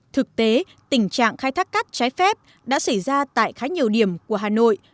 thực tế tình trạng khai thác cát trái phép đã xảy ra tại khá nhiều điểm của hà nội